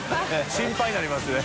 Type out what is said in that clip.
心配になりますね。